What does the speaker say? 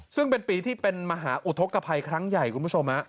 ซึ่งเป็นปีที่เป็นมหาอุทธกภัยครั้งใหญ่คุณผู้ชม